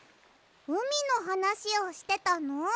うみのはなしをしてたの？